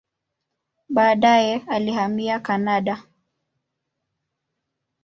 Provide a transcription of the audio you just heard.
Baadaye alihamia Kanada.